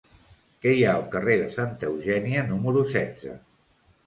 Què hi ha al carrer de Santa Eugènia número setze?